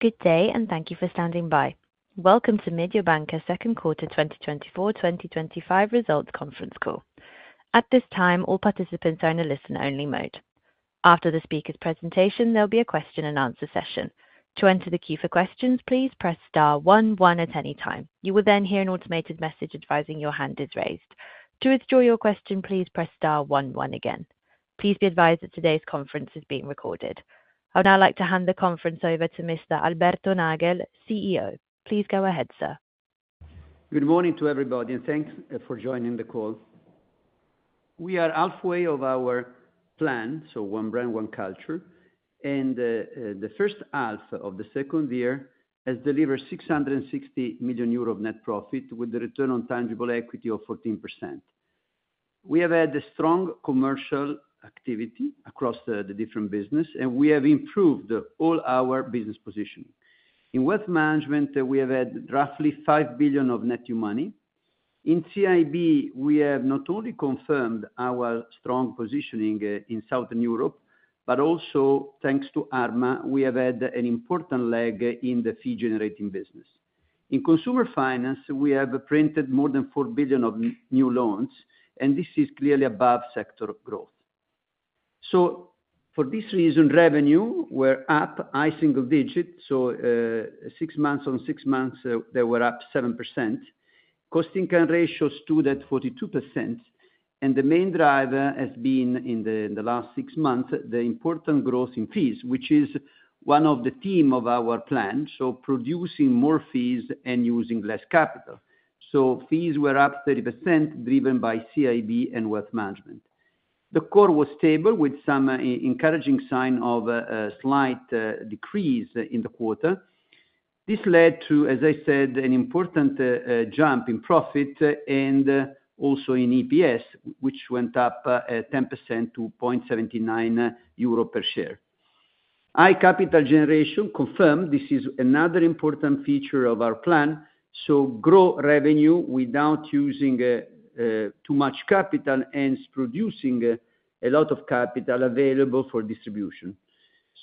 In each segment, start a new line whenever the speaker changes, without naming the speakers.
Good day, and thank you for standing by. Welcome to Mediobanca's second quarter 2024-2025 results conference call. At this time, all participants are in a listen-only mode. After the speaker's presentation, there'll be a question-and-answer session. To enter the queue for questions, please press star one one at any time. You will then hear an automated message advising your hand is raised. To withdraw your question, please press star one one again. Please be advised that today's conference is being recorded. I would now like to hand the conference over to Mr. Alberto Nagel, CEO. Please go ahead, sir.
Good morning to everybody, and thanks for joining the call. We are halfway of our plan, so One Brand - One Culture, and the first half of the second year has delivered 660 million euro net profit with a return on tangible equity of 14%. We have had strong commercial activity across the different businesses, and we have improved all our business positioning. In wealth management, we have had roughly 5 billion of net new money. In CIB, we have not only confirmed our strong positioning in Southern Europe, but also, thanks to Arma, we have had an important leg in the fee-generating business. In consumer finance, we have printed more than 4 billion of new loans, and this is clearly above sector growth, so for this reason, revenue were up high single digits, so six months on six months, they were up 7%. Cost-to-income ratio stood at 42%. And the main driver has been, in the last six months, the important growth in fees, which is one of the themes of our plan, so producing more fees and using less capital. So, fees were up 30%, driven by CIB and wealth management. The CoR was stable, with some encouraging signs of a slight decrease in the quarter. This led to, as I said, an important jump in profit and also in EPS, which went up 10% to 0.79 euro per share. High capital generation confirmed. This is another important feature of our plan. So, grow revenue without using too much capital ends producing a lot of capital available for distribution.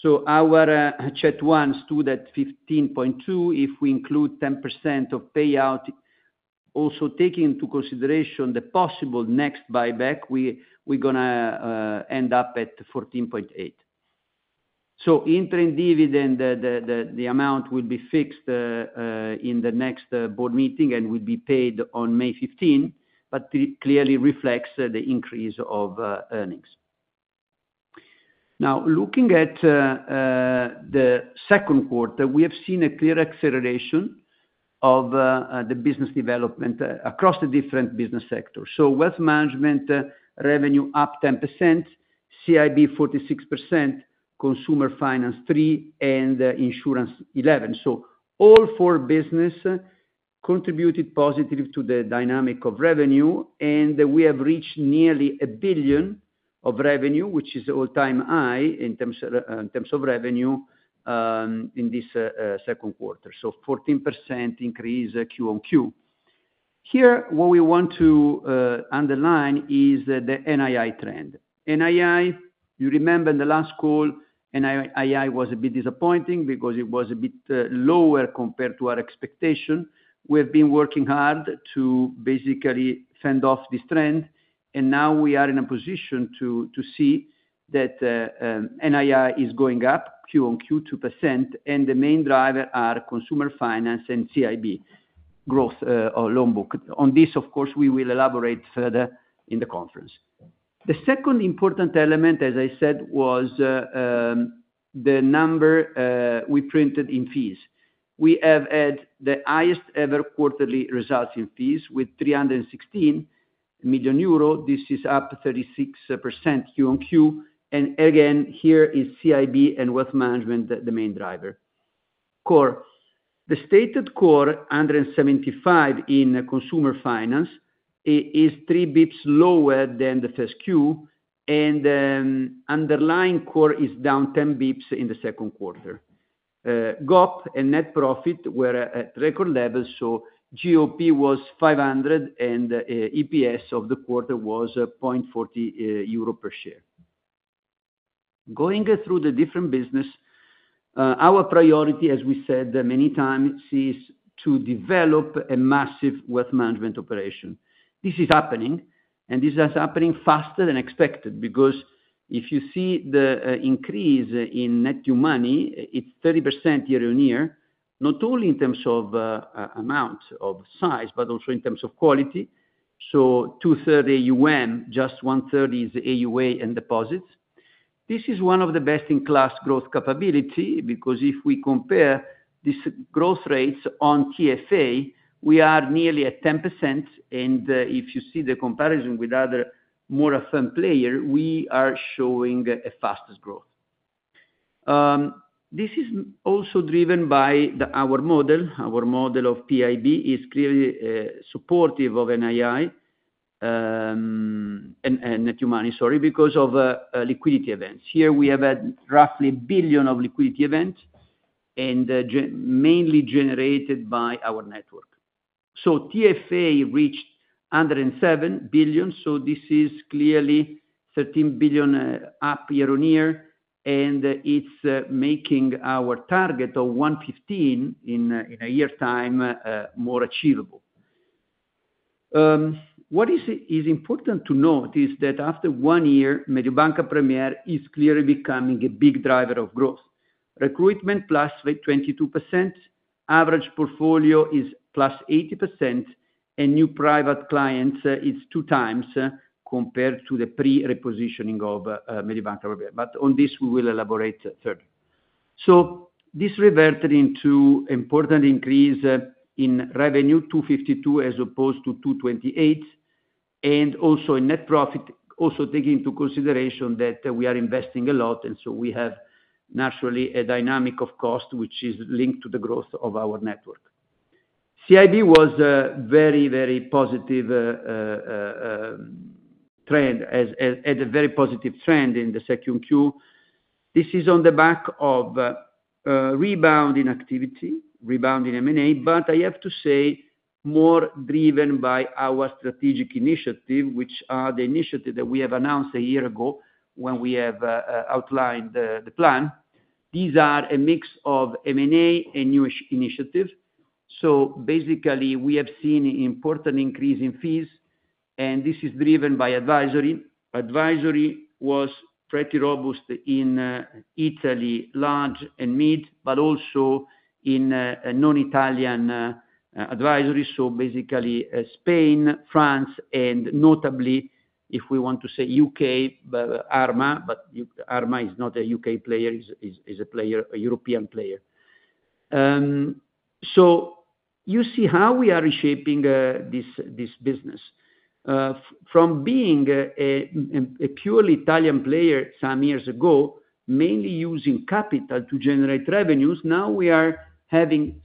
So, our CET1 stood at 15.2% if we include 10% of payout. Also, taking into consideration the possible next buyback, we're going to end up at 14.8%. So, interim dividend, the amount will be fixed in the next board meeting and will be paid on May 15, but clearly reflects the increase of earnings. Now, looking at the second quarter, we have seen a clear acceleration of the business development across the different business sectors. So, wealth management revenue up 10%, CIB 46%, consumer finance 3%, and insurance 11%. So, all four businesses contributed positively to the dynamic of revenue, and we have reached nearly 1 billion of revenue, which is an all-time high in terms of revenue in this second quarter. So, 14% increase Q1Q. Here, what we want to underline is the NII trend. NII, you remember in the last call, NII was a bit disappointing because it was a bit lower compared to our expectation. We have been working hard to basically fend off this trend, and now we are in a position to see that NII is going up Q1Q 2%, and the main drivers are consumer finance and CIB growth or loan book. On this, of course, we will elaborate further in the conference. The second important element, as I said, was the number we printed in fees. We have had the highest-ever quarterly results in fees with 316 million euro. This is up 36% Q1Q. And again, here is CIB and wealth management the main driver. CoR. The stated CoR 175 in consumer finance is three basis points lower than the first Q, and underlying CoR is down 10 basis points in the second quarter. GOP and net profit were at record levels, so GOP was 500, and EPS of the quarter was 0.40 euro per share. Going through the different businesses, our priority, as we said many times, is to develop a massive wealth management operation. This is happening, and this is happening faster than expected because if you see the increase in net new money, it's 30% year-on-year, not only in terms of amount of size, but also in terms of quality. So, two-thirds AUM, just one-third is AUA and deposits. This is one of the best-in-class growth capabilities because if we compare these growth rates on TFA, we are nearly at 10%. And if you see the comparison with other more affirmed players, we are showing the fastest growth. This is also driven by our model. Our model of PIB is clearly supportive of NII and net new money, sorry, because of liquidity events. Here we have had roughly 1 billion of liquidity events, and mainly generated by our network. So, TFA reached 107 billion, so this is clearly 13 billion up year-on-year, and it's making our target of 115 in a year's time more achievable. What is important to note is that after one year, Mediobanca Premier is clearly becoming a big driver of growth. Recruitment plus 22%, average portfolio is plus 80%, and new private clients is two times compared to the pre-repositioning of Mediobanca Premier. But on this, we will elaborate further. So, this reverted into an important increase in revenue, 252 as opposed to 228, and also in net profit, also taking into consideration that we are investing a lot, and so we have naturally a dynamic of cost which is linked to the growth of our network. CIB was a very, very positive trend, had a very positive trend in the second Q. This is on the back of rebound in activity, rebound in M&A, but I have to say more driven by our strategic initiative, which are the initiatives that we have announced a year ago when we have outlined the plan. These are a mix of M&A and new initiatives. So, basically, we have seen an important increase in fees, and this is driven by advisory. Advisory was pretty robust in Italy, large and mid, but also in non-Italian advisory, so basically Spain, France, and notably, if we want to say U.K., Arma, but Arma is not a U.K. player, is a player, a European player. So, you see how we are reshaping this business. From being a purely Italian player some years ago, mainly using capital to generate revenues, now we are having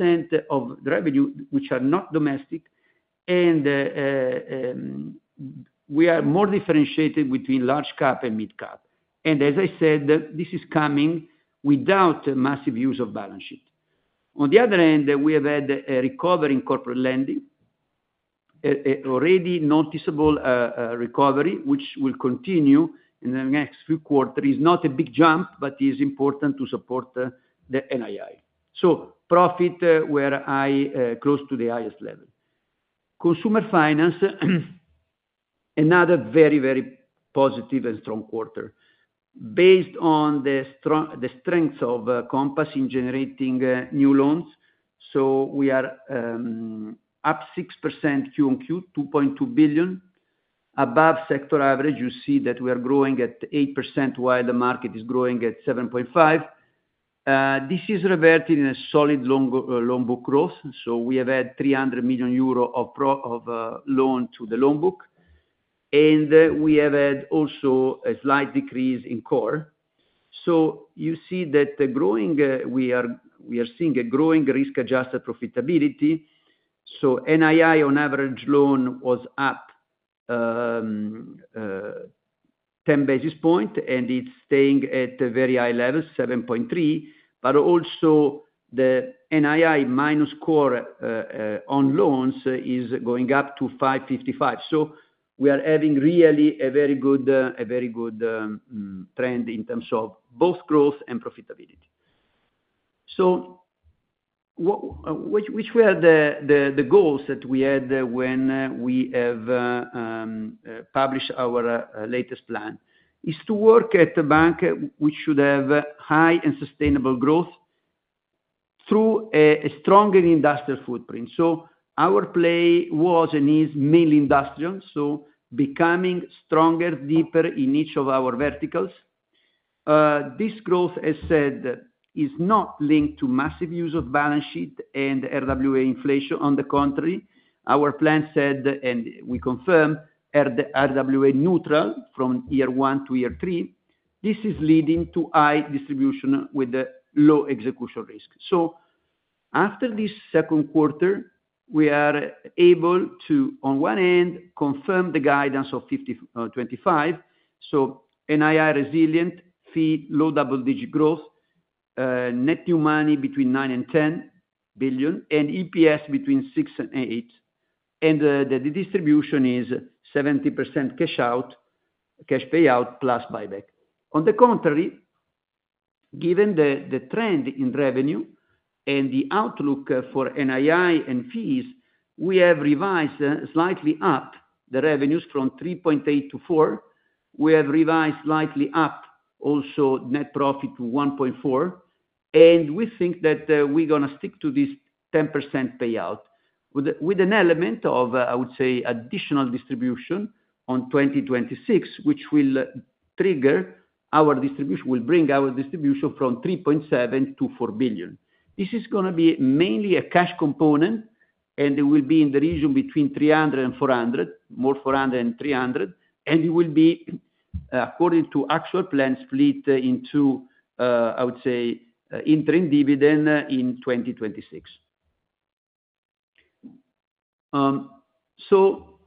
60% of revenue, which are not domestic, and we are more differentiated between large cap and mid cap, as I said. This is coming without massive use of balance sheet. On the other end, we have had a recovery in corporate lending, already noticeable recovery, which will continue in the next few quarters. It's not a big jump, but it is important to support the NII. Profits were close to the highest level. Consumer finance, another very, very positive and strong quarter, based on the strength of Compass in generating new loans. We are up 6% Q1Q, 2.2 billion, above sector average. You see that we are growing at 8% while the market is growing at 7.5%. This is reflected in a solid loan book growth. So, we have had 300 million euro of loan to the loan book, and we have had also a slight decrease in CoR. So, you see that we are seeing a growing risk-adjusted profitability. So, NII on average loan was up 10 basis points, and it's staying at very high levels, 7.3%. But also, the NII minus CoR on loans is going up to 5.55%. So, we are having really a very good trend in terms of both growth and profitability. So, which were the goals that we had when we have published our latest plan? It's to work at a bank which should have high and sustainable growth through a stronger industrial footprint. So, our play was and is mainly industrial, so becoming stronger, deeper in each of our verticals. This growth, as said, is not linked to massive use of balance sheet and RWA inflation. On the contrary, our plan said, and we confirm, RWA neutral from year one to year three. This is leading to high distribution with low execution risk. After this second quarter, we are able to, on one end, confirm the guidance of FY25. NII resilient, fees low double-digit growth, net new money between 9 and 10 billion, and EPS between 1.6 and 1.8. The distribution is 70% cash payout plus buyback. On the contrary, given the trend in revenue and the outlook for NII and fees, we have revised slightly up the revenues from 3.8 billion to 4 billion. We have revised slightly up also net profit to 1.4 billion. We think that we're going to stick to this 10% payout with an element of, I would say, additional distribution on 2026, which will trigger our distribution, will bring our distribution from 3.7 billion to 4 billion. This is going to be mainly a cash component, and it will be in the region between 300 and 400, more 400 and 300. It will be, according to actual plan, split into, I would say, interim dividend in 2026.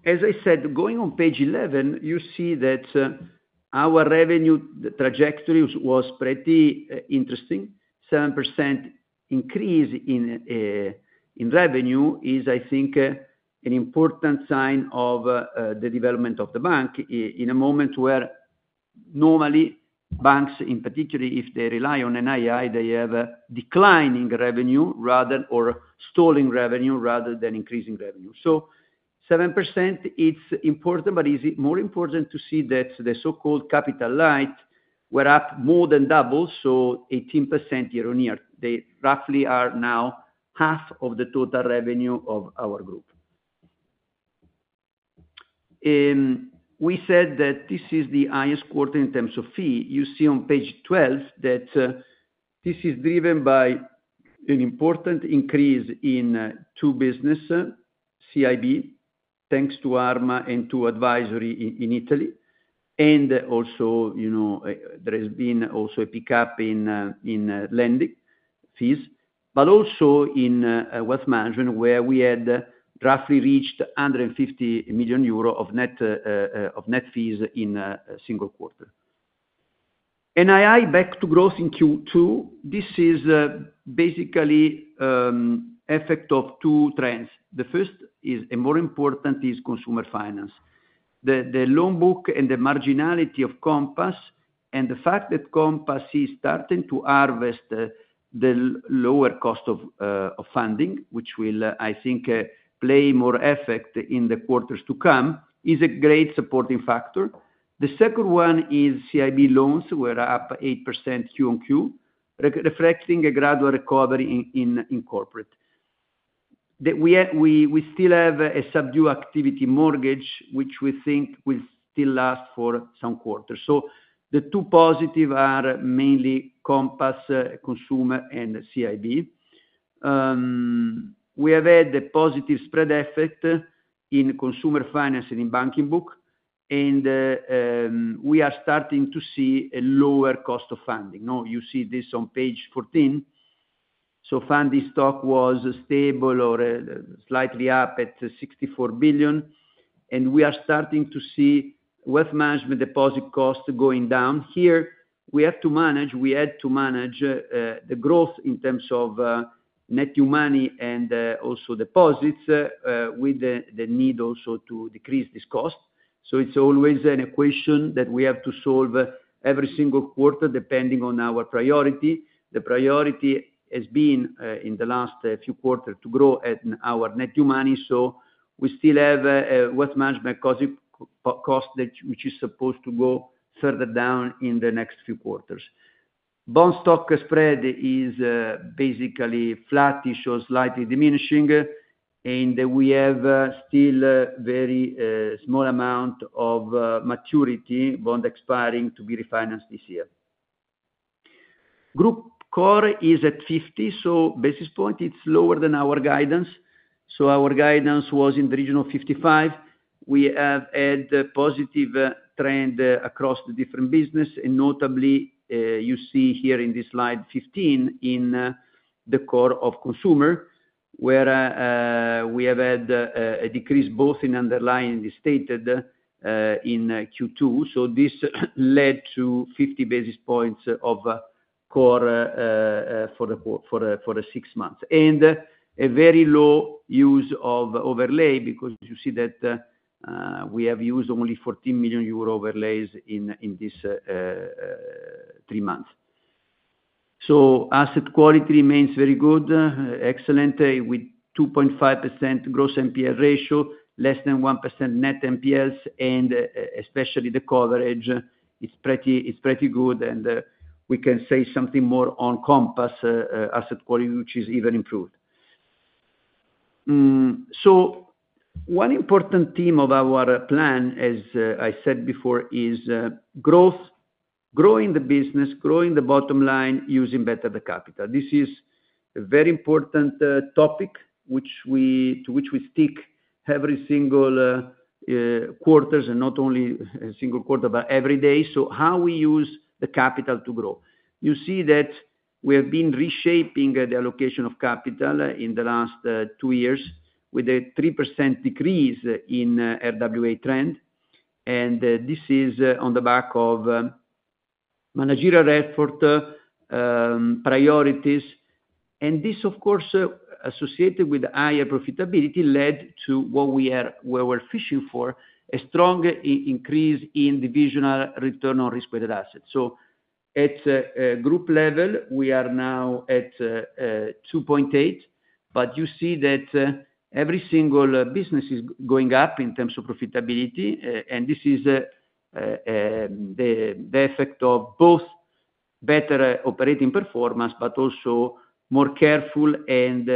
As I said, going on page 11, you see that our revenue trajectory was pretty interesting. 7% increase in revenue is, I think, an important sign of the development of the bank in a moment where normally banks, in particular if they rely on NII, have declining revenue rather or stalling revenue rather than increasing revenue. 7%, it's important, but it is more important to see that the so-called capital light were up more than double, so 18% year-on-year. They roughly are now half of the total revenue of our group. We said that this is the highest quarter in terms of fee. You see on page 12 that this is driven by an important increase in two businesses, CIB, thanks to Arma and to advisory in Italy. And also, you know, there has been also a pickup in lending fees, but also in wealth management where we had roughly reached 150 million euro of net fees in a single quarter. NII back to growth in Q2. This is basically the effect of two trends. The first is, and more important, is consumer finance. The loan book and the marginality of Compass and the fact that Compass is starting to harvest the lower cost of funding, which will, I think, play more effect in the quarters to come, is a great supporting factor. The second one is CIB loans were up 8% Q1Q, reflecting a gradual recovery in corporate. We still have a subdued mortgage activity, which we think will still last for some quarters, so the two positive are mainly Compass, consumer, and CIB. We have had a positive spread effect in consumer finance and in banking book, and we are starting to see a lower cost of funding. You see this on page 14, so funding stock was stable or slightly up at 64 billion, and we are starting to see wealth management deposit cost going down. Here, we have to manage, we had to manage the growth in terms of net new money and also deposits with the need also to decrease this cost, so it's always an equation that we have to solve every single quarter depending on our priority. The priority has been in the last few quarters to grow our net new money. We still have wealth management cost, which is supposed to go further down in the next few quarters. Bond stock spread is basically flat, issued slightly diminishing, and we have still a very small amount of maturity bond expiring to be refinanced this year. Group CoR is at 50 basis points, it's lower than our guidance. Our guidance was in the region of 55. We have had a positive trend across the different businesses, and notably, you see here in this Slide 15 in the CoR of Consumer, where we have had a decrease both in underlying and stated in Q2. This led to 50 basis points of CoR for the six months and a very low use of overlay because you see that we have used only 14 million euro overlays in these three months. Asset quality remains very good, excellent, with 2.5% gross NPL ratio, less than 1% net NPLs, and especially the coverage, it's pretty good, and we can say something more on Compass asset quality, which is even improved. One important theme of our plan, as I said before, is growth, growing the business, growing the bottom line using better the capital. This is a very important topic to which we stick every single quarter and not only a single quarter, but every day. How we use the capital to grow. You see that we have been reshaping the allocation of capital in the last two years with a 3% decrease in RWA trend, and this is on the back of managerial effort, priorities, and this, of course, associated with higher profitability led to what we were fishing for, a strong increase in divisional return on risk-weighted assets. So, at group level, we are now at 2.8, but you see that every single business is going up in terms of profitability, and this is the effect of both better operating performance, but also more careful and,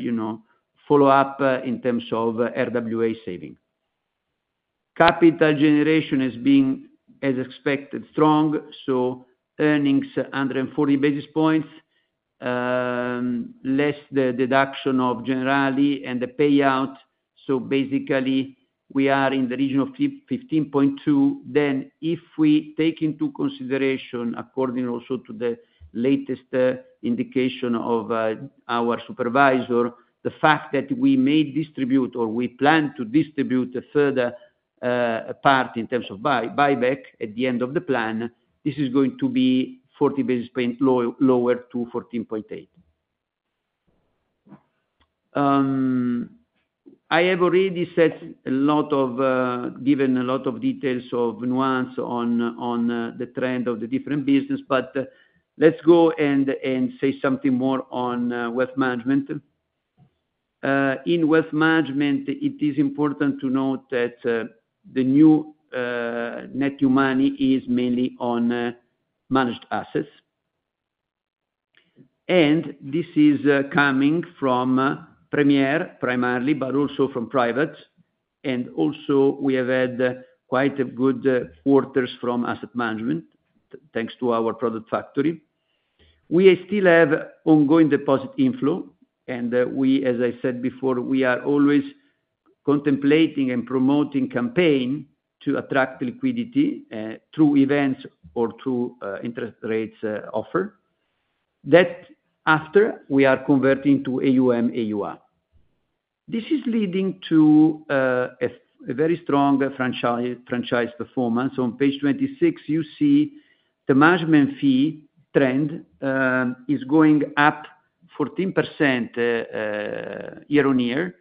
you know, follow-up in terms of RWA saving. Capital generation has been, as expected, strong. So, earnings 140 basis points, less the deduction of Generali and the payout. So, basically, we are in the region of 15.2. Then, if we take into consideration, according also to the latest indication of our supervisor, the fact that we may distribute or we plan to distribute a further part in terms of buyback at the end of the plan, this is going to be 40 basis points lower, to 14.8. I have already said a lot of, given a lot of details of nuance on the trend of the different businesses, but let's go and say something more on wealth management. In wealth management, it is important to note that the net new money is mainly on managed assets, and this is coming from Premier primarily, but also from private, and also we have had quite good quarters from asset management thanks to our product factory. We still have ongoing deposit inflow, and we, as I said before, we are always contemplating and promoting campaigns to attract liquidity through events or through interest rates offered that after we are converting to AUM, AUA. This is leading to a very strong franchise performance. On page 26, you see the management fee trend is going up 14% year-on-year,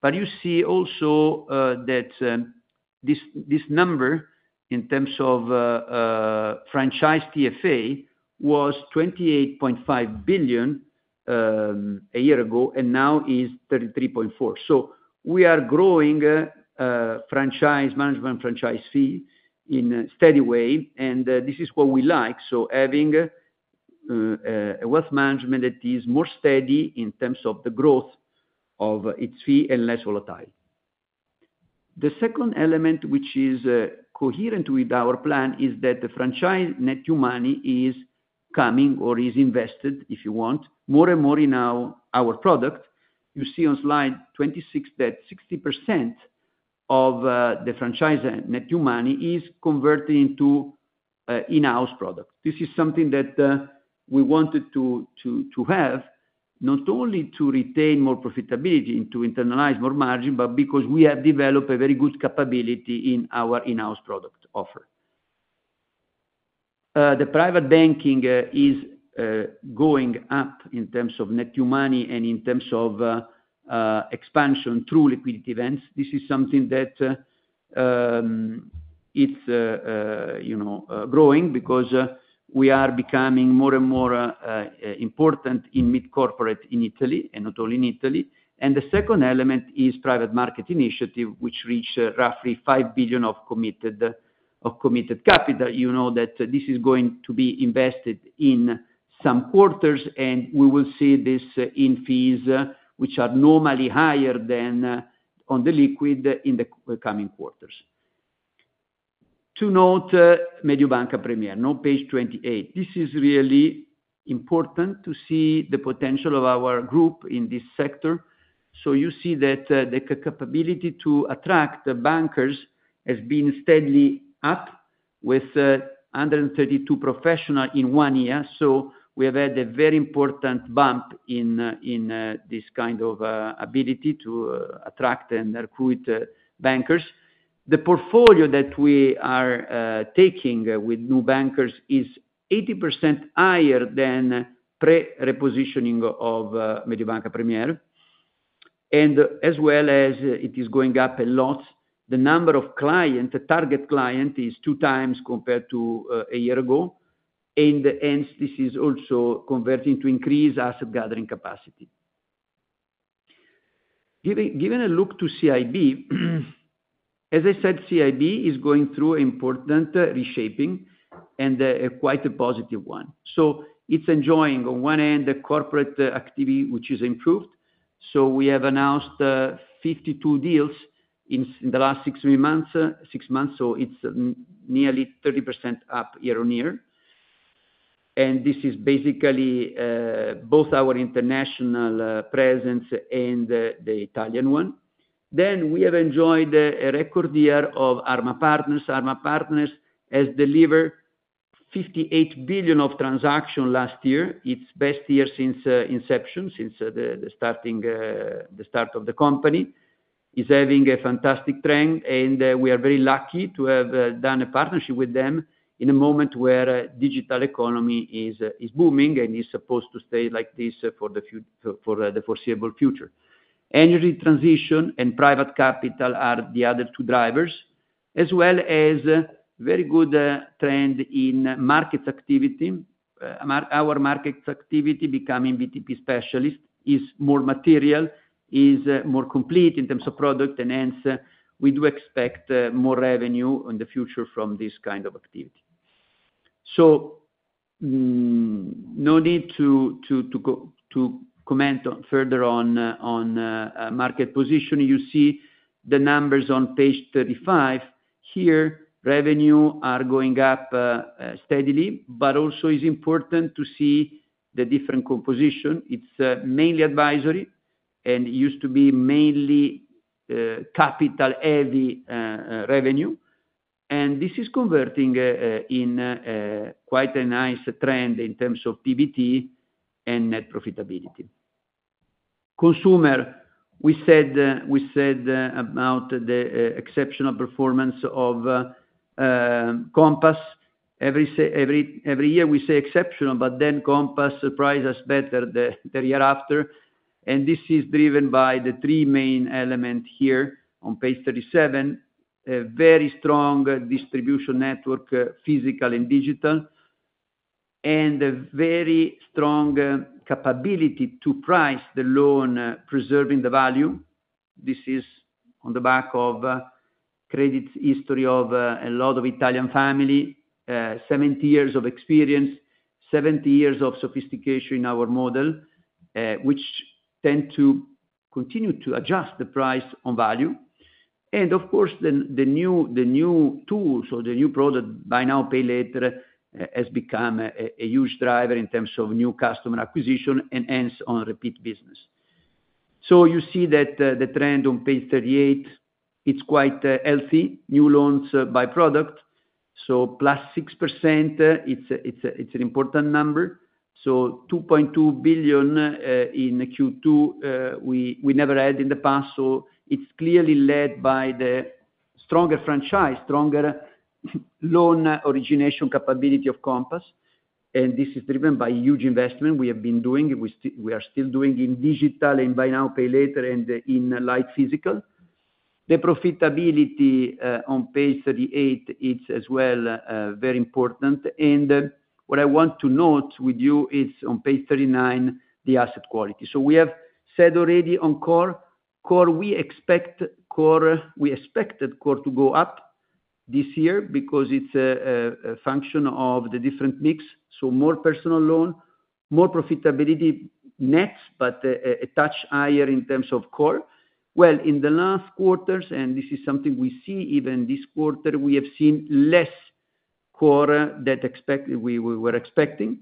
but you see also that this number in terms of franchise TFA was 28.5 billion a year ago and now is 33.4 billion. So, we are growing management franchise fee in a steady way, and this is what we like. So, having a wealth management that is more steady in terms of the growth of its fee and less volatile. The second element, which is coherent with our plan, is that the franchise net new money is coming or is invested, if you want, more and more in our product. You see on slide 26 that 60% of the franchise net new money is converting into in-house product. This is something that we wanted to have, not only to retain more profitability and to internalize more margin, but because we have developed a very good capability in our in-house product offer. The private banking is going up in terms of net new money and in terms of expansion through liquidity events. This is something that it's, you know, growing because we are becoming more and more important in mid-corporate in Italy and not only in Italy. And the second element is private market initiative, which reached roughly 5 billion of committed capital. You know that this is going to be invested in some quarters, and we will see this in fees, which are normally higher than on the liquid in the coming quarters. To note, Mediobanca Premier, now page 28. This is really important to see the potential of our group in this sector. You see that the capability to attract bankers has been steadily up with 132 professionals in one year. We have had a very important bump in this kind of ability to attract and recruit bankers. The portfolio that we are taking with new bankers is 80% higher than pre-repositioning of Mediobanca Premier, and as well as it is going up a lot. The number of clients, the target client, is two times compared to a year ago, and hence this is also converting to increase asset gathering capacity. Given a look to CIB, as I said, CIB is going through an important reshaping and quite a positive one. It's enjoying on one end the corporate activity, which has improved. We have announced 52 deals in the last six months, so it's nearly 30% up year-on-year. This is basically both our international presence and the Italian one. We have enjoyed a record year of Arma Partners. Arma Partners has delivered 58 billion of transactions last year. Its best year since inception, since the start of the company. It's having a fantastic trend, and we are very lucky to have done a partnership with them in a moment where the digital economy is booming and is supposed to stay like this for the foreseeable future. Energy transition and private capital are the other two drivers, as well as a very good trend in market activity. Our market activity becoming BTP Specialist is more material, is more complete in terms of product, and hence we do expect more revenue in the future from this kind of activity. No need to comment further on market position. You see the numbers on page 35 here, revenue are going up steadily, but also it's important to see the different composition. It's mainly advisory and used to be mainly capital-heavy revenue, and this is converting in quite a nice trend in terms of PBT and net profitability. Consumer, we said about the exceptional performance of Compass. Every year we say exceptional, but then Compass surprised us better the year after, and this is driven by the three main elements here on page 37: a very strong distribution network, physical and digital, and a very strong capability to price the loan, preserving the value. This is on the back of credit history of a lot of Italian families, 70 years of experience, 70 years of sophistication in our model, which tend to continue to adjust the price on value. Of course, the new tools or the new product Buy Now Pay Later has become a huge driver in terms of new customer acquisition and hence on repeat business. You see that the trend on page 38. It's quite healthy, new loans by product. Plus 6%, it's an important number. 2.2 billion in Q2 we never had in the past. It's clearly led by the stronger franchise, stronger loan origination capability of Compass, and this is driven by huge investment we have been doing. We are still doing in digital and Buy Now Pay Later and in light physical. The profitability on page 38 is as well very important, and what I want to note with you is on page 39, the asset quality. We have said already on CoR. We expect CoR to go up this year because it's a function of the different mix. More personal loan, more profitability nets, but a touch higher in terms of CoR. In the last quarters, and this is something we see even this quarter, we have seen less CoR than we were expecting.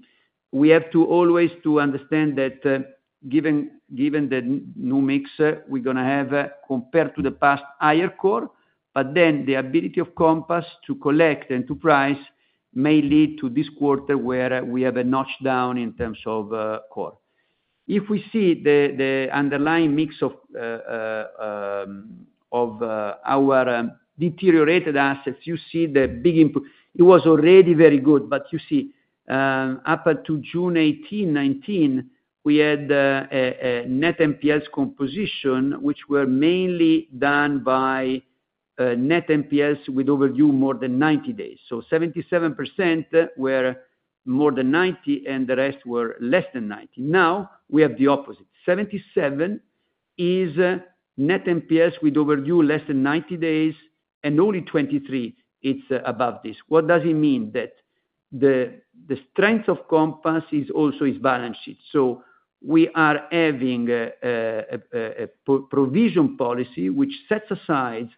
We have to always understand that given the new mix, we're going to have compared to the past higher CoR, but then the ability of Compass to collect and to price may lead to this quarter where we have a notch down in terms of CoR. If we see the underlying mix of our deteriorated assets, you see the big improvement. It was already very good, but you see up until June 18, 2019, we had net NPLs composition, which were mainly done by net NPLs with overdue more than 90 days. So, 77% were more than 90, and the rest were less than 90. Now we have the opposite. 77% is net NPLs with overdue less than 90 days, and only 23% is above this. What does it mean? That the strength of Compass is also its balance sheet. So, we are having a provision policy which sets aside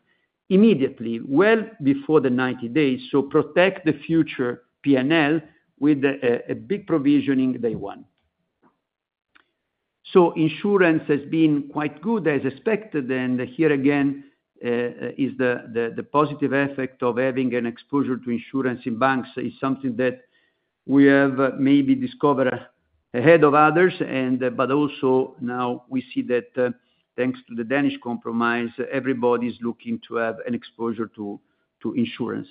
immediately, well before the 90 days, so to protect the future P&L with a big provisioning day one. So, insurance has been quite good as expected, and here again is the positive effect of having an exposure to insurance in banks. It's something that we have maybe discovered ahead of others, but also now we see that thanks to the Danish Compromise, everybody's looking to have an exposure to insurance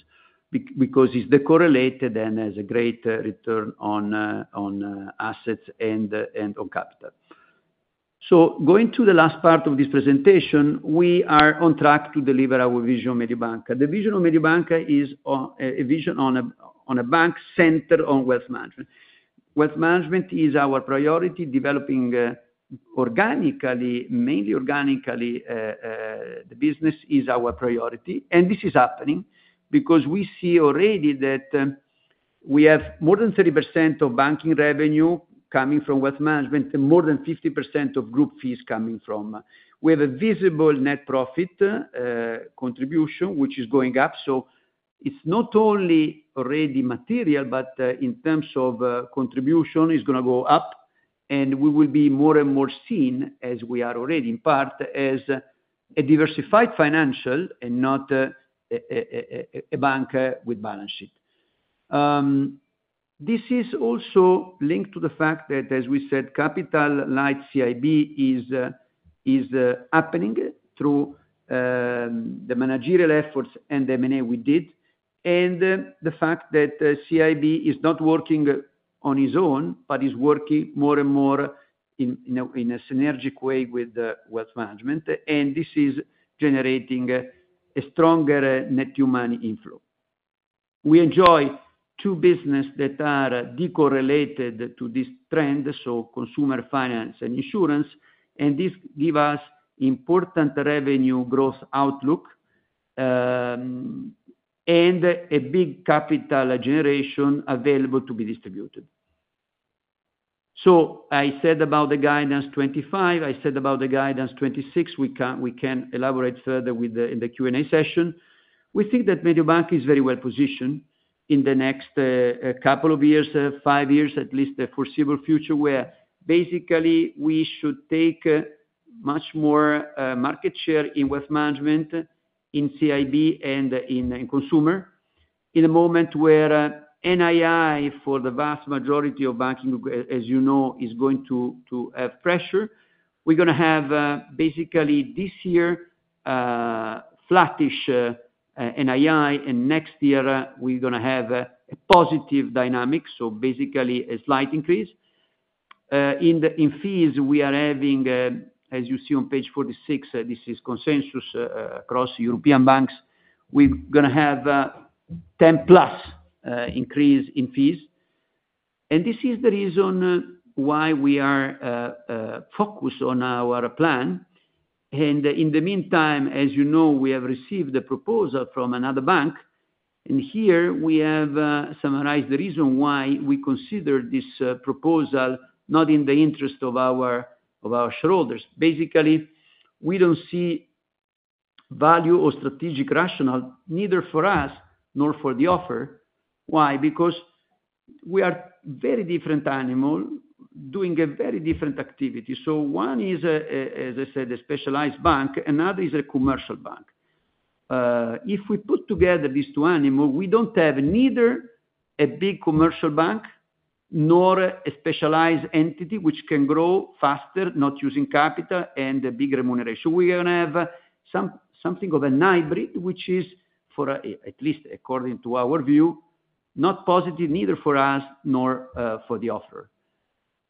because it's correlated and has a great return on assets and on capital. So, going to the last part of this presentation, we are on track to deliver our vision on Mediobanca. The vision on Mediobanca is a vision on a bank centered on wealth management. Wealth management is our priority. Developing organically, mainly organically, the business is our priority, and this is happening because we see already that we have more than 30% of banking revenue coming from wealth management and more than 50% of group fees coming from. We have a visible net profit contribution, which is going up. So, it's not only already material, but in terms of contribution, it's going to go up, and we will be more and more seen, as we are already in part, as a diversified financial and not a bank with balance sheet. This is also linked to the fact that, as we said, capital light CIB is happening through the managerial efforts and the M&A we did, and the fact that CIB is not working on his own, but is working more and more in a synergic way with wealth management, and this is generating a stronger net new money inflow. We enjoy two businesses that are decorrelated to this trend, so consumer finance and insurance, and this gives us important revenue growth outlook and a big capital generation available to be distributed. So, I said about the guidance 25. I said about the guidance 26. We can elaborate further in the Q&A session. We think that Mediobanca is very well positioned in the next couple of years, five years at least, the foreseeable future, where basically we should take much more market share in wealth management, in CIB, and in consumer in a moment where NII for the vast majority of banking, as you know, is going to have pressure. We're going to have basically this year flattish NII, and next year we're going to have a positive dynamic, so basically a slight increase. In fees, we are having, as you see on page 46, this is consensus across European banks. We're going to have a 10-plus increase in fees, and this is the reason why we are focused on our plan. In the meantime, as you know, we have received a proposal from another bank, and here we have summarized the reason why we considered this proposal not in the interest of our shareholders. Basically, we don't see value or strategic rationale neither for us nor for the offeror. Why? Because we are a very different animal doing a very different activity. So, one is, as I said, a specialized bank, and another is a commercial bank. If we put together these two animals, we don't have neither a big commercial bank nor a specialized entity which can grow faster not using capital and a big remuneration. We're going to have something of a hybrid, which is, at least according to our view, not positive neither for us nor for the offeror.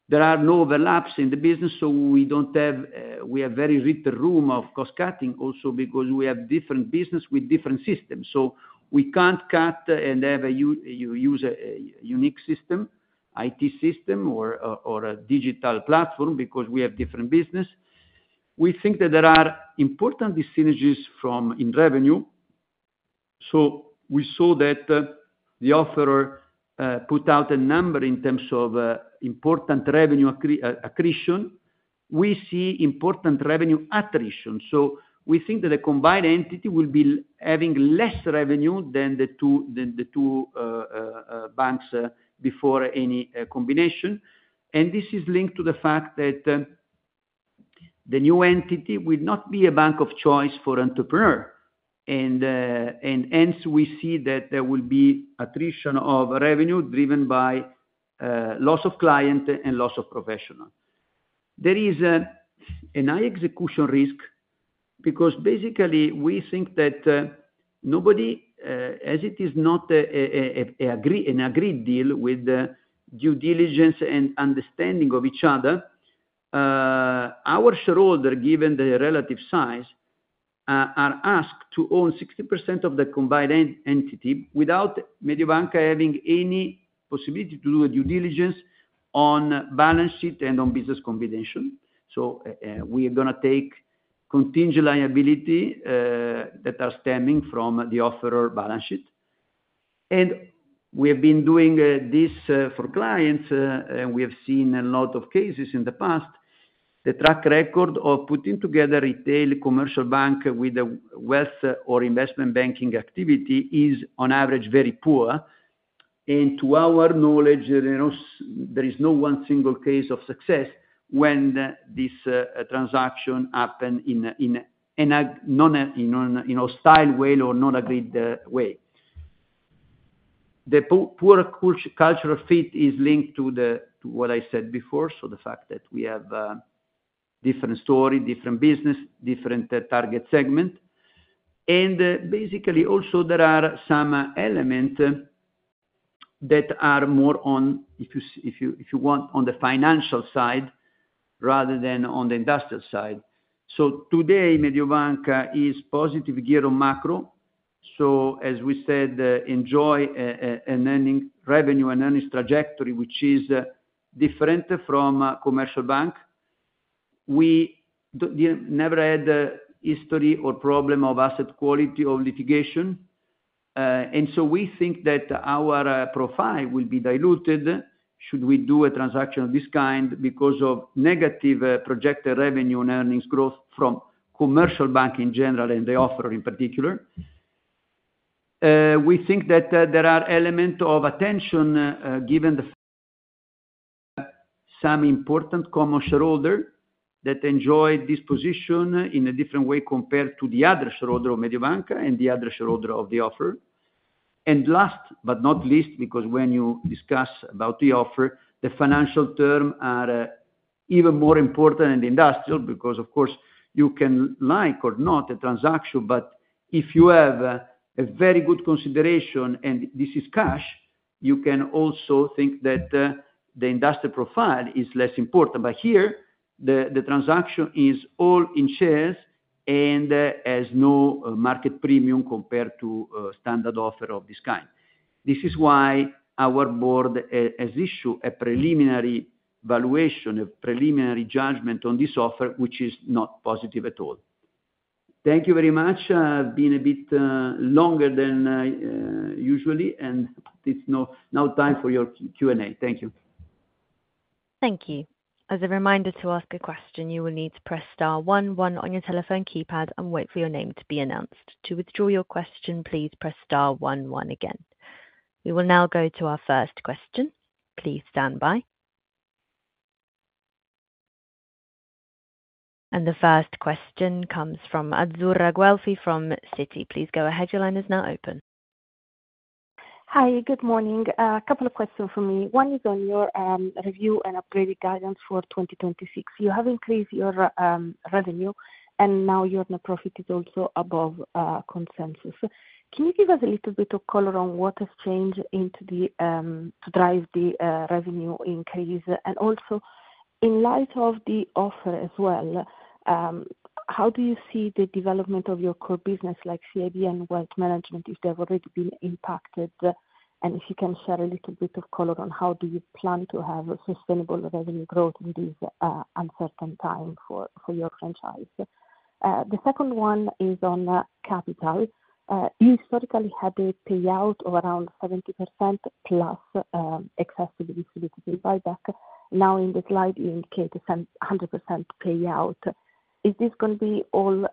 There are no overlaps in the business, so we don't have a very rich room for cost cutting also because we have different businesses with different systems. So, we can't cut and have a unique system, IT system or a digital platform because we have different businesses. We think that there are important synergies in revenue. So, we saw that the offer put out a number in terms of important revenue accretion. We see important revenue attrition. So, we think that a combined entity will be having less revenue than the two banks before any combination, and this is linked to the fact that the new entity will not be a bank of choice for entrepreneurs, and hence we see that there will be attrition of revenue driven by loss of client and loss of professional. There is a high execution risk because basically we think that nobody, as it is not an agreed deal with due diligence and understanding of each other, our shareholder, given the relative size, is asked to own 60% of the combined entity without Mediobanca having any possibility to do a due diligence on balance sheet and on business combination. So, we are going to take contingent liability that is stemming from the offer balance sheet, and we have been doing this for clients. We have seen a lot of cases in the past. The track record of putting together retail commercial bank with a wealth or investment banking activity is, on average, very poor, and to our knowledge, there is no one single case of success when this transaction happened in a hostile way or not agreed way. The poor cultural fit is linked to what I said before, so the fact that we have different stories, different businesses, different target segments, and basically also there are some elements that are more on, if you want, on the financial side rather than on the industrial side. So, today Mediobanca is positive gear on macro. So, as we said, enjoy a revenue and earnings trajectory which is different from a commercial bank. We never had history or problem of asset quality or litigation, and so we think that our profile will be diluted should we do a transaction of this kind because of negative projected revenue and earnings growth from commercial bank in general and the offer in particular. We think that there are elements of attention given some important common shareholder that enjoyed this position in a different way compared to the other shareholder of Mediobanca and the other shareholder of the offer. And last but not least, because when you discuss about the offer, the financial terms are even more important than the industrial because, of course, you can like or not a transaction, but if you have a very good consideration and this is cash, you can also think that the industrial profile is less important. But here, the transaction is all in shares and has no market premium compared to a standard offer of this kind. This is why our board has issued a preliminary valuation, a preliminary judgment on this offer, which is not positive at all. Thank you very much. I've been a bit longer than usual, and it's now time for your Q&A. Thank you. Thank you. As a reminder to ask a question, you will need to press star one one on your telephone keypad, and wait for your name to be announced. To withdraw your question, please press star one one again. We will now go to our first question. Please stand by, and the first question comes from Azzurra Guelfi from Citi. Please go ahead. Your line is now open.
Hi, good morning. A couple of questions for me. One is on your review and upgraded guidance for 2026. You have increased your revenue, and now your net profit is also above consensus. Can you give us a little bit of color on what has changed to drive the revenue increase? And also, in light of the offer as well, how do you see the development of your core business, like CIB and wealth management, if they have already been impacted? And if you can share a little bit of color on how do you plan to have sustainable revenue growth in this uncertain time for your franchise? The second one is on capital. You historically had a payout of around 70% plus access to the distributed buyback. Now, in the slide, you indicate a 100% payout. Is this going to be all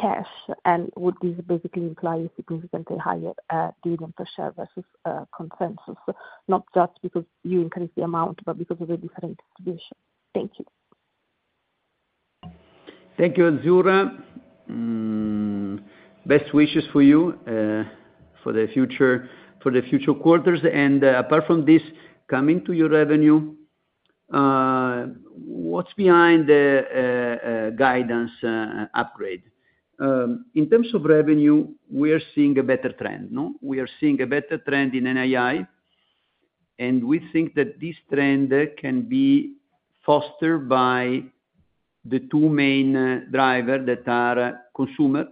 cash, and would this basically imply a significantly higher dividend per share versus consensus, not just because you increased the amount, but because of the different distribution? Thank you.
Thank you, Azzurra. Best wishes for you for the future quarters. And apart from this, coming to your revenue, what's behind the guidance upgrade? In terms of revenue, we are seeing a better trend. We are seeing a better trend in NII, and we think that this trend can be fostered by the two main drivers that are consumer,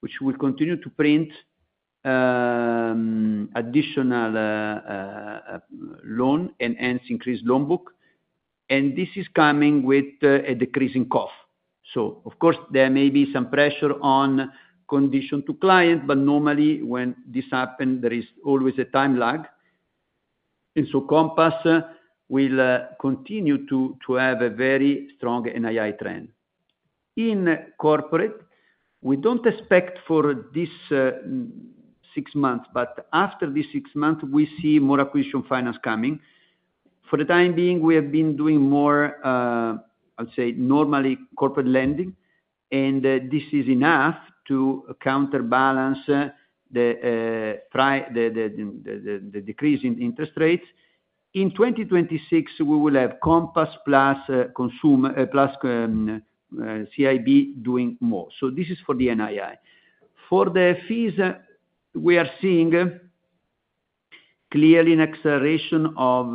which will continue to print additional loans and hence increase loan book, and this is coming with a decreasing CoR, so of course, there may be some pressure on conditions to clients, but normally when this happens, there is always a time lag, and so Compass will continue to have a very strong NII trend. In corporate, we don't expect for this six months, but after this six months, we see more acquisition finance coming. For the time being, we have been doing more, I would say, normally corporate lending, and this is enough to counterbalance the decrease in interest rates. In 2026, we will have Compass plus CIB doing more. This is for the NII. For the fees, we are seeing clearly an acceleration of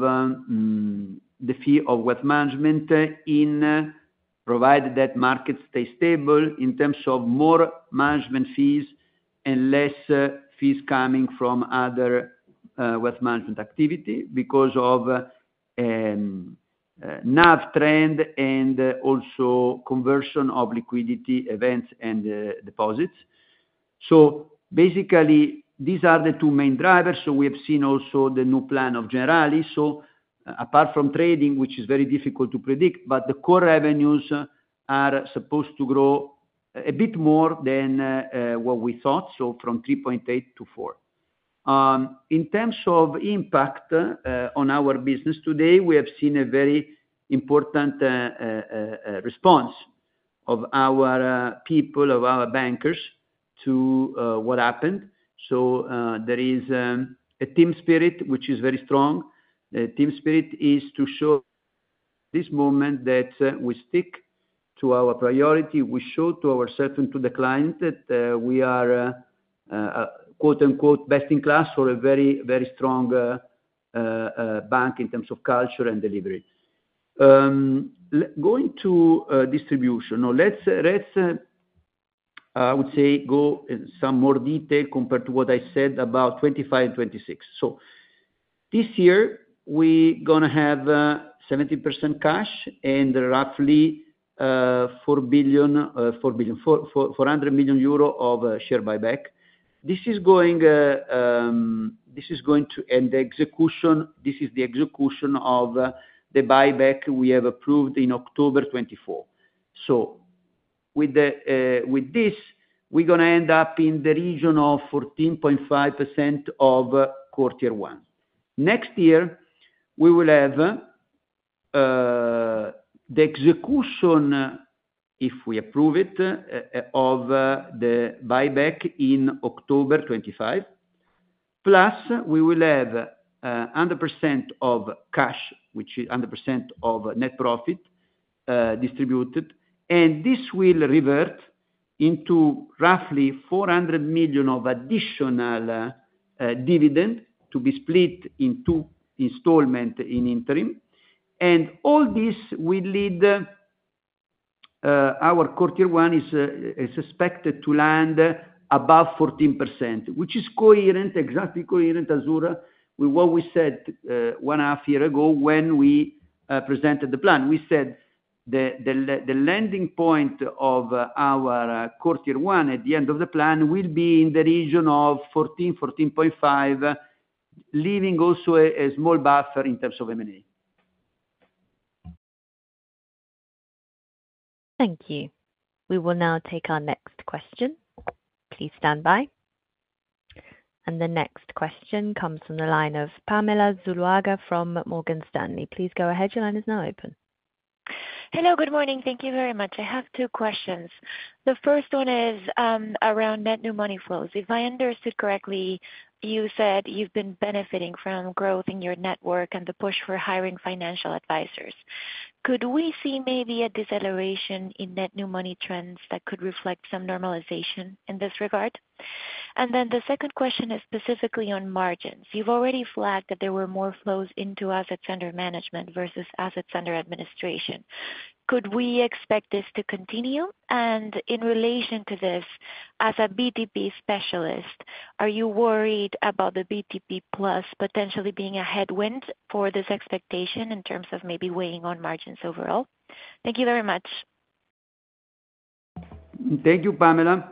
the fee of wealth management in providing that market stays stable in terms of more management fees and less fees coming from other wealth management activity because of the NAV trend and also conversion of liquidity events and deposits. Basically, these are the two main drivers. We have seen also the new plan of Generali. Apart from trading, which is very difficult to predict, but the core revenues are supposed to grow a bit more than what we thought, so from 3.8 to 4. In terms of impact on our business today, we have seen a very important response of our people, of our bankers to what happened. There is a team spirit which is very strong. The team spirit is to show this moment that we stick to our priority. We show to ourselves and to the client that we are "best in class" for a very, very strong bank in terms of culture and delivery. Going to distribution, let's, I would say, go in some more detail compared to what I said about 2025 and 2026. So, this year, we're going to have 70% cash and roughly 400 million euro of share buyback. This is going to end the execution. This is the execution of the buyback we have approved in October 2024. So, with this, we're going to end up in the region of 14.5% CET1. Next year, we will have the execution, if we approve it, of the buyback in October 2025, plus we will have 100% of cash, which is 100% of net profit distributed, and this will revert into roughly 400 million of additional dividend to be split into installments in interim. And all this will lead our cost/income is expected to land above 14%, which is coherent, exactly coherent, Azzurra, with what we said one half year ago when we presented the plan. We said the landing point of our cost/income at the end of the plan will be in the region of 14%-14.5%, leaving also a small buffer in terms of M&A.
Thank you. We will now take our next question. Please stand by. And the next question comes from the line of Pamela Zuluaga from Morgan Stanley. Please go ahead. Your line is now open.
Hello, good morning. Thank you very much. I have two questions. The first one is around net new money flows. If I understood correctly, you said you've been benefiting from growth in your network and the push for hiring financial advisors. Could we see maybe a deceleration in net new money trends that could reflect some normalization in this regard? And then the second question is specifically on margins. You've already flagged that there were more flows into assets under management versus assets under administration. Could we expect this to continue? And in relation to this, as a BTP Specialist, are you worried about the BTPs potentially being a headwind for this expectation in terms of maybe weighing on margins overall? Thank you very much.
Thank you, Pamela.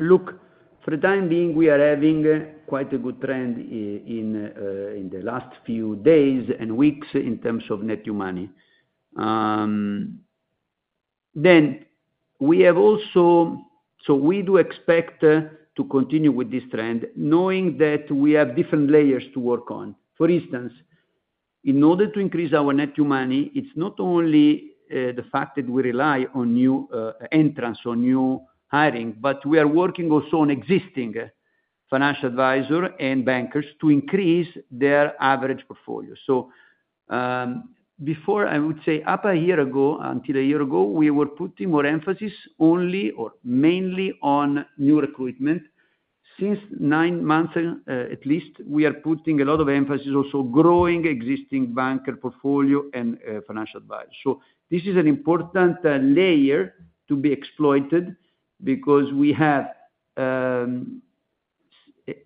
Look, for the time being, we are having quite a good trend in the last few days and weeks in terms of net new money. Then we have also, so we do expect to continue with this trend knowing that we have different layers to work on. For instance, in order to increase our net new money, it's not only the fact that we rely on new entrants or new hiring, but we are working also on existing financial advisors and bankers to increase their average portfolio. So, before, I would say up a year ago, until a year ago, we were putting more emphasis only or mainly on new recruitment. Since nine months, at least, we are putting a lot of emphasis also on growing existing banker portfolio and financial advisors. This is an important layer to be exploited because we have an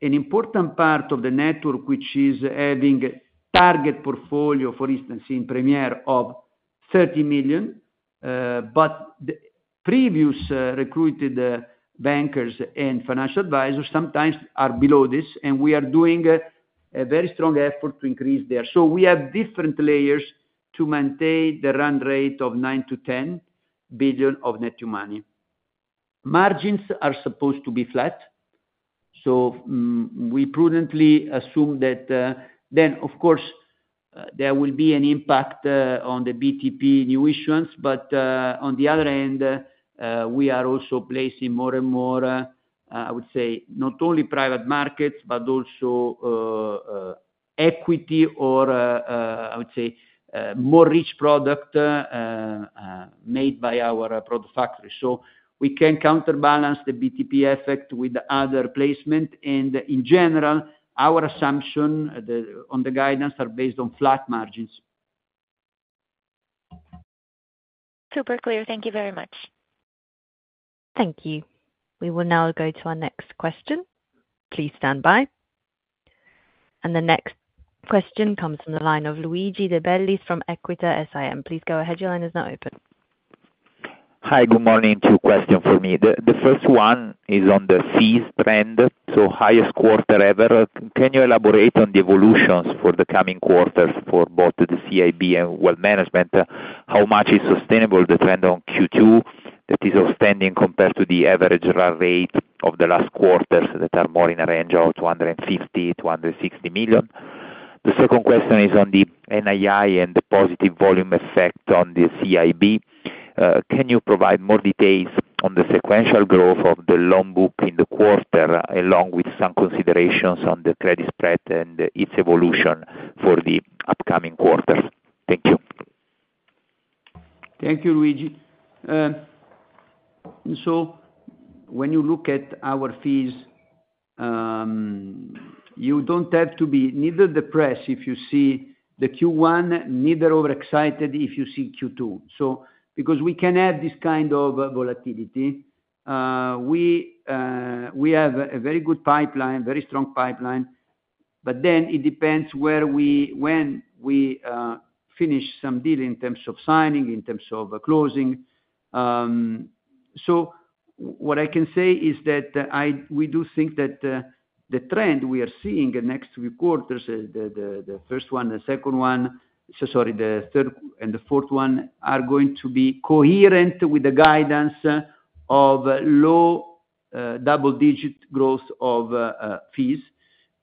important part of the network, which is having target portfolio, for instance, in Premier of 30 million, but the previous recruited bankers and financial advisors sometimes are below this, and we are doing a very strong effort to increase there. We have different layers to maintain the run rate of 9-10 billion of net new money. Margins are supposed to be flat. We prudently assume that then, of course, there will be an impact on the BTP new issuance, but on the other end, we are also placing more and more, I would say, not only private markets, but also equity or, I would say, more rich product made by our product factory. So, we can counterbalance the BTP effect with other placement, and in general, our assumption on the guidance is based on flat margins.
Super clear. Thank you very much.
Thank you. We will now go to our next question. Please stand by. And the next question comes from the line of Luigi De Bellis from Equita SIM. Please go ahead. Your line is now open.
Hi, good morning. Two questions for me. The first one is on the fees trend, so highest quarter ever. Can you elaborate on the evolutions for the coming quarters for both the CIB and wealth management? How much is sustainable the trend on Q2 that is outstanding compared to the average rate of the last quarters that are more in the range of 250-260 million? The second question is on the NII and the positive volume effect on the CIB. Can you provide more details on the sequential growth of the loan book in the quarter along with some considerations on the credit spread and its evolution for the upcoming quarters? Thank you.
Thank you, Luigi. So, when you look at our fees, you don't have to be neither depressed if you see the Q1, neither overexcited if you see Q2. So, because we can have this kind of volatility, we have a very good pipeline, very strong pipeline, but then it depends when we finish some deal in terms of signing, in terms of closing. So, what I can say is that we do think that the trend we are seeing in the next few quarters, the first one, the second one, sorry, the third and the fourth one are going to be coherent with the guidance of low double-digit growth of fees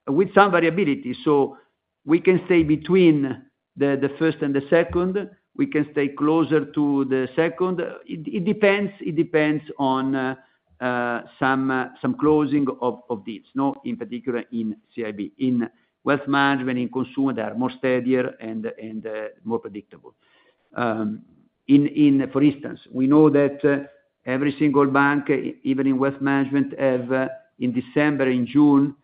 with some variability. We can stay between the first and the second. We can stay closer to the second. It depends on some closing of deals, in particular in CIB. In wealth management, in consumer, they are more steadier and more predictable. For instance, we know that every single bank, even in wealth management, has in December, in June,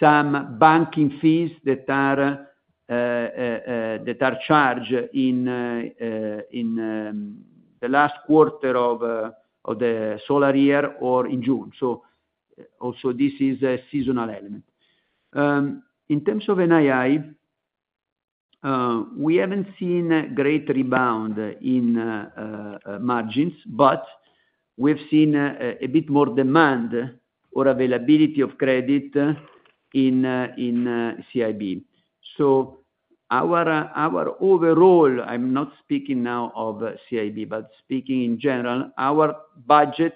some banking fees that are charged in the last quarter of the solar year or in June. Also, this is a seasonal element. In terms of NII, we haven't seen a great rebound in margins, but we've seen a bit more demand or availability of credit in CIB. Our overall, I'm not speaking now of CIB, but speaking in general, our budget,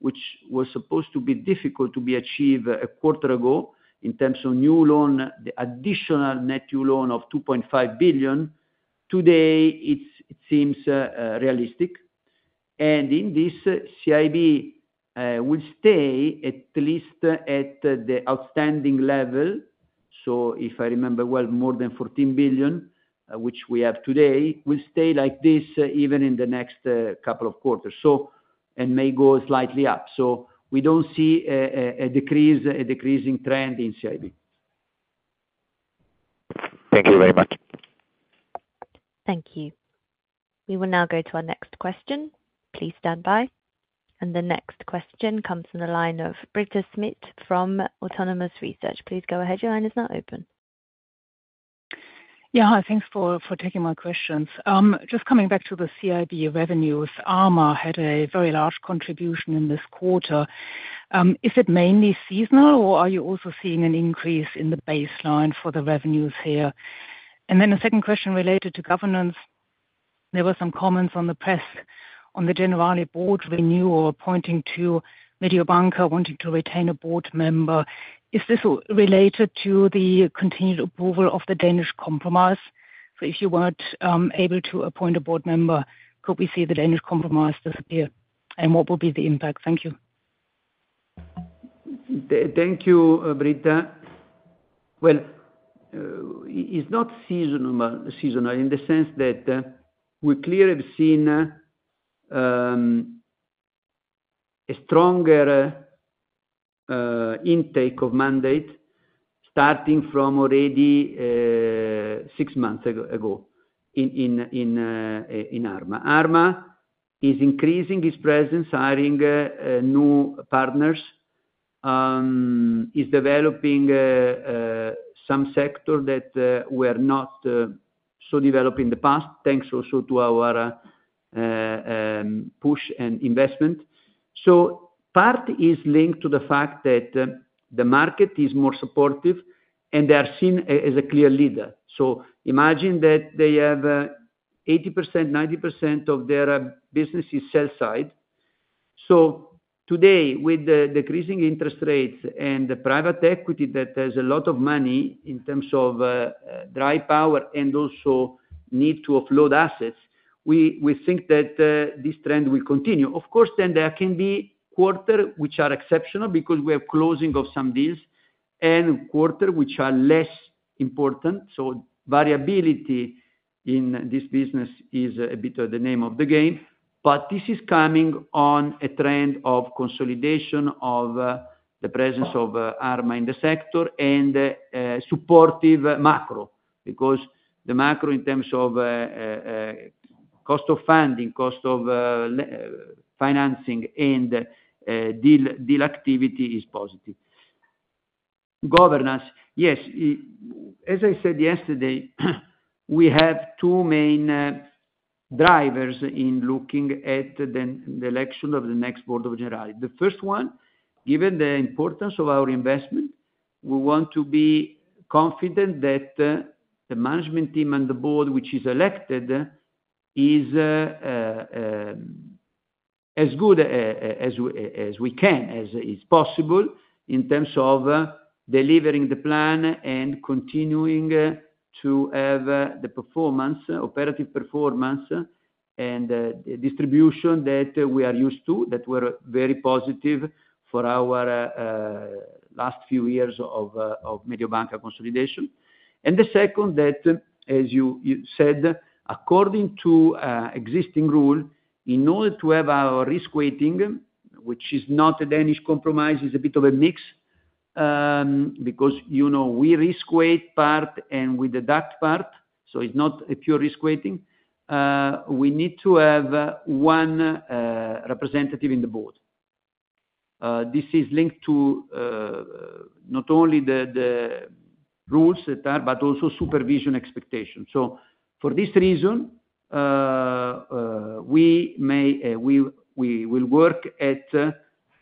which was supposed to be difficult to be achieved a quarter ago in terms of new loan, the additional net new loan of 2.5 billion, today, it seems realistic. And in this, CIB will stay at least at the outstanding level. So, if I remember well, more than 14 billion, which we have today, will stay like this even in the next couple of quarters and may go slightly up. So, we don't see a decreasing trend in CIB.
Thank you very much.
Thank you. We will now go to our next question. Please stand by. And the next question comes from the line of Britta Schmidt from Autonomous Research. Please go ahead. Your line is now open.
Yeah, thanks for taking my questions. Just coming back to the CIB revenues, M&A had a very large contribution in this quarter. Is it mainly seasonal, or are you also seeing an increase in the baseline for the revenues here? And then a second question related to governance. There were some comments in the press on the Generali board renewal pointing to Mediobanca wanting to retain a board member. Is this related to the continued approval of the Danish Compromise? So, if you weren't able to appoint a board member, could we see the Danish Compromise disappear? And what would be the impact? Thank you.
Thank you, Britta. It's not seasonal in the sense that we clearly have seen a stronger intake of mandate starting from already six months ago in Arma. Arma is increasing its presence, hiring new partners, is developing some sectors that were not so developed in the past, thanks also to our push and investment. So, part is linked to the fact that the market is more supportive and they are seen as a clear leader. So, imagine that they have 80%, 90% of their business is sell-side. So, today, with the decreasing interest rates and the private equity that has a lot of money in terms of dry powder and also need to offload assets, we think that this trend will continue. Of course, then there can be quarters which are exceptional because we have closing of some deals and quarters which are less important. So, variability in this business is a bit of the name of the game, but this is coming on a trend of consolidation of the presence of Arma in the sector and supportive macro because the macro in terms of cost of funding, cost of financing, and deal activity is positive. Governance, yes. As I said yesterday, we have two main drivers in looking at the election of the next board of Generali. The first one, given the importance of our investment, we want to be confident that the management team and the board which is elected is as good as we can, as it's possible in terms of delivering the plan and continuing to have the performance, operative performance, and the distribution that we are used to, that were very positive for our last few years of Mediobanca consolidation, and the second that, as you said, according to existing rule, in order to have our risk weighting, which is not a Danish Compromise, is a bit of a mix because we risk weight part and we deduct part, so it's not a pure risk weighting. We need to have one representative in the board. This is linked to not only the rules that are, but also supervision expectations. So, for this reason, we will work at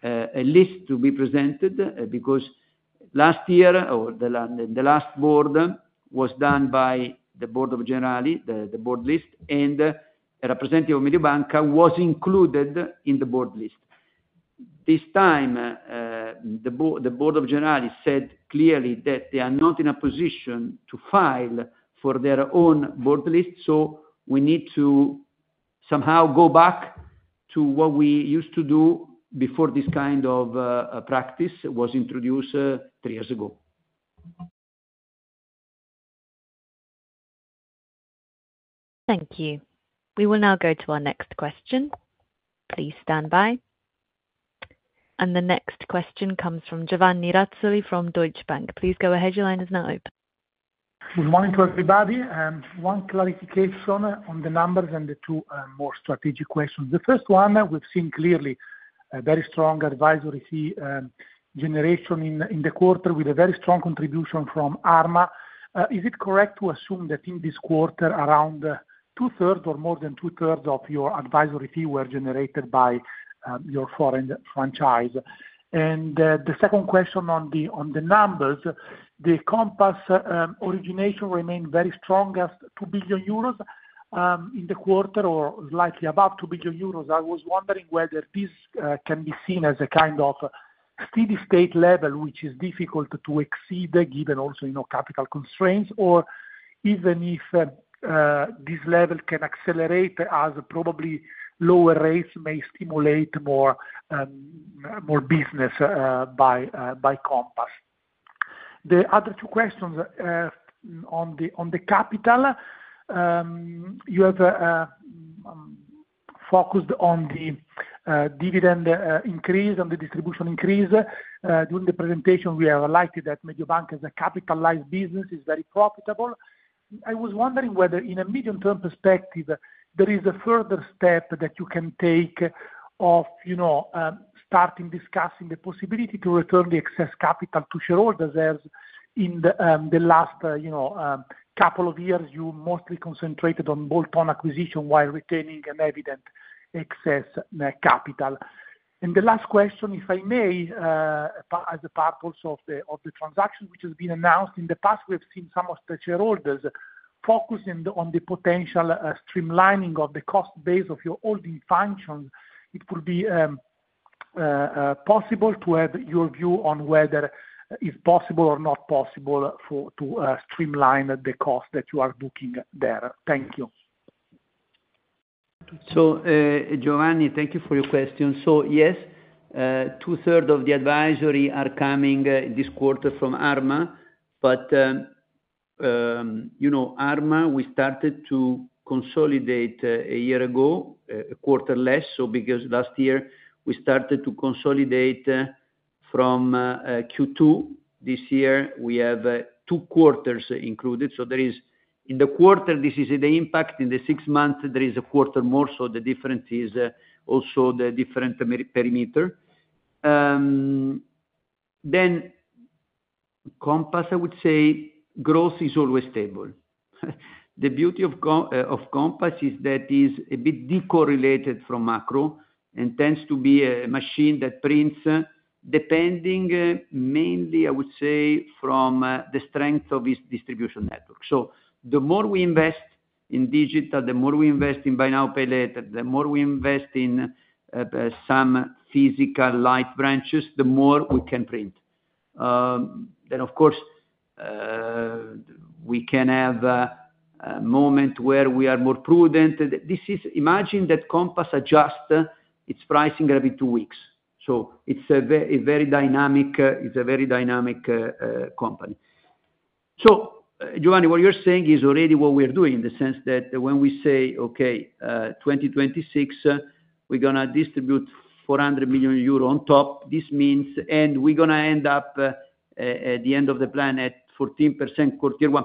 a list to be presented because last year or the last board was done by the board of Generali, the board list, and a representative of Mediobanca was included in the board list. This time, the board of Generali said clearly that they are not in a position to file for their own board list, so we need to somehow go back to what we used to do before this kind of practice was introduced three years ago.
Thank you. We will now go to our next question. Please stand by, and the next question comes from Giovanni Razzoli from Deutsche Bank. Please go ahead. Your line is now open.
Good morning to everybody. One clarification on the numbers and the two more strategic questions. The first one, we've seen clearly a very strong advisory fee generation in the quarter with a very strong contribution from Arma. Is it correct to assume that in this quarter, around two-thirds or more than two-thirds of your advisory fee were generated by your foreign franchise? And the second question on the numbers, the Compass origination remained very strong, 2 billion euros in the quarter or slightly above 2 billion euros. I was wondering whether this can be seen as a kind of steady-state level, which is difficult to exceed given also capital constraints, or even if this level can accelerate as probably lower rates may stimulate more business by Compass. The other two questions on the capital, you have focused on the dividend increase and the distribution increase. During the presentation, we highlighted that Mediobanca is a capitalized business, is very profitable. I was wondering whether in a medium-term perspective, there is a further step that you can take of starting discussing the possibility to return the excess capital to shareholders. As in the last couple of years, you mostly concentrated on bolt-on acquisition while retaining an evident excess capital. And the last question, if I may, as a part also of the transaction which has been announced in the past, we have seen some of the shareholders focusing on the potential streamlining of the cost base of your holding functions. It would be possible to have your view on whether it's possible or not possible to streamline the cost that you are booking there. Thank you.
So, Giovanni, thank you for your question. So, yes, two-thirds of the advisory are coming this quarter from Arma, but Arma, we started to consolidate a year ago, a quarter less, so because last year we started to consolidate from Q2. This year, we have two quarters included. So, in the quarter, this is the impact. In the six months, there is a quarter more, so the difference is also the different perimeter. Then, Compass, I would say, growth is always stable. The beauty of Compass is that it is a bit decorrelated from macro and tends to be a machine that prints depending mainly, I would say, from the strength of its distribution network. So, the more we invest in digital, the more we invest in Buy Now Pay Later, the more we invest in some physical light branches, the more we can print. Then, of course, we can have a moment where we are more prudent. Imagine that Compass adjusts its pricing every two weeks. So, it's a very dynamic company. So, Giovanni, what you're saying is already what we're doing in the sense that when we say, "Okay, 2026, we're going to distribute 400 million euro on top," this means we're going to end up at the end of the plan at 14% Core Tier 1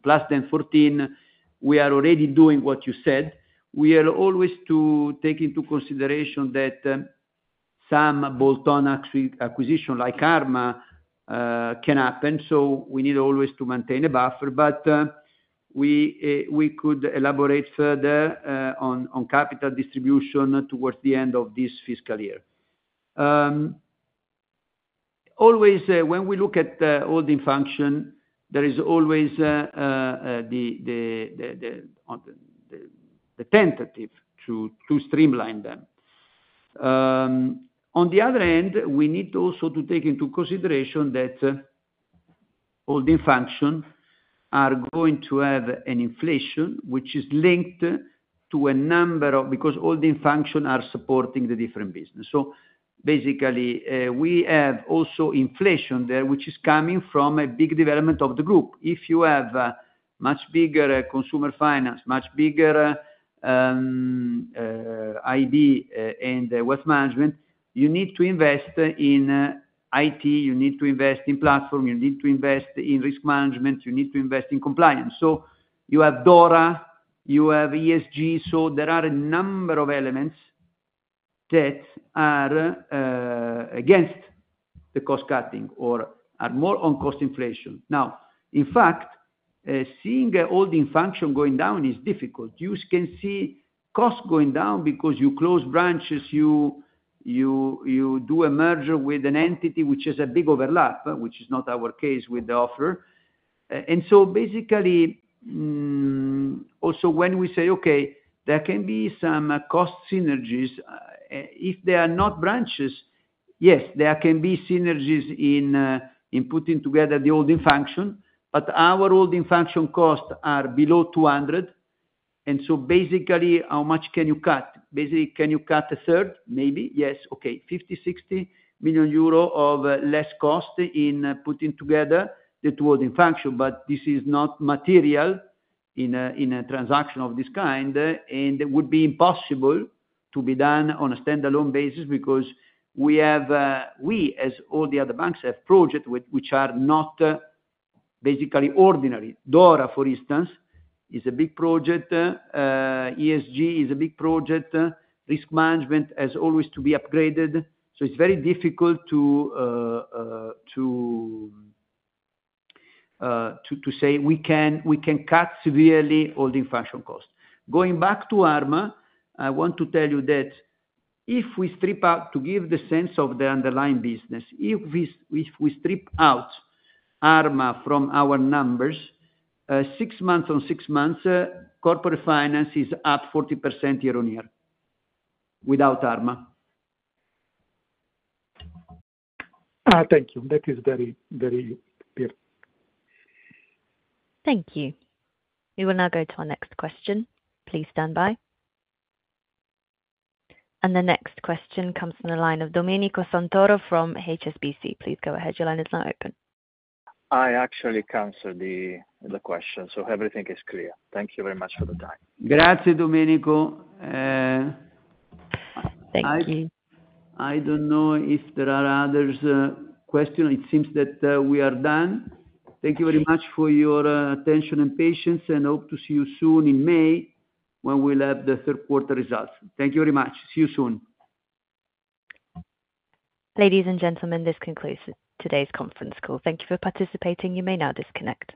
plus then 14. We are already doing what you said. We are always taking into consideration that some bolt-on acquisition like Arma can happen, so we need always to maintain a buffer, but we could elaborate further on capital distribution towards the end of this fiscal year. Always, when we look at holding function, there is always the tendency to streamline them. On the other hand, we need also to take into consideration that holding functions are going to have inflation, which is linked to a number of because holding functions are supporting the different businesses. So, basically, we have also inflation there, which is coming from a big development of the group. If you have much bigger consumer finance, much bigger CIB and wealth management, you need to invest in IT, you need to invest in platforms, you need to invest in risk management, you need to invest in compliance. So, you have DORA, you have ESG, so there are a number of elements that are against the cost cutting or are more on cost inflation. Now, in fact, seeing holding functions going down is difficult. You can see cost going down because you close branches, you do a merger with an entity which has a big overlap, which is not our case with the offer. And so, basically, also when we say, "Okay, there can be some cost synergies." If they are not branches, yes, there can be synergies in putting together the holding function, but our holding function costs are below 200. And so, basically, how much can you cut? Basically, can you cut a third? Maybe. Yes. Okay. 50-60 million euro of less cost in putting together the two holding function, but this is not material in a transaction of this kind, and it would be impossible to be done on a standalone basis because we, as all the other banks, have projects which are not basically ordinary. DORA, for instance, is a big project. ESG is a big project. Risk management has always to be upgraded. So, it's very difficult to say we can cut severely holding function costs. Going back to Arma, I want to tell you that if we strip out, to give the sense of the underlying business, if we strip out Arma from our numbers, six months on six months, corporate finance is up 40% year-on-year without Arma.
Thank you. That is very clear.
Thank you. We will now go to our next question. Please stand by. And the next question comes from the line of Domenico Santoro from HSBC. Please go ahead. Your line is now open.
I actually canceled the question, so everything is clear. Thank you very much for the time.
Grazie, Domenico.
Thank you.
I don't know if there are other questions. It seems that we are done. Thank you very much for your attention and patience, and hope to see you soon in May when we'll have the third quarter results. Thank you very much. See you soon.
Ladies and gentlemen, this concludes today's conference call. Thank you for participating. You may now disconnect.